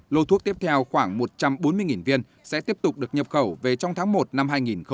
lô thuốc tiếp theo khoảng một trăm bốn mươi viên sẽ tiếp tục được nhập khẩu về trong tháng một năm hai nghìn hai mươi